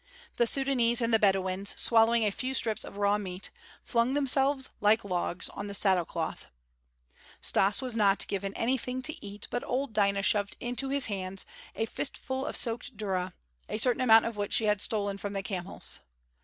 The Sudânese and the Bedouins, swallowing a few strips of raw meat, flung themselves, like logs, on the saddle cloth. Stas was not given anything to eat, but old Dinah shoved into his hand a fistful of soaked durra, a certain amount of which she had stolen from the camels.